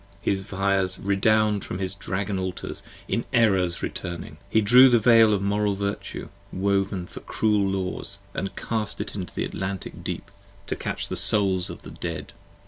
His fires redound from his Dragon Altars in Errors returning. He drew the Veil of Moral Virtue, woven for Cruel Laws, And cast it into the Atlantic Deep, to catch the Souls of the Dead.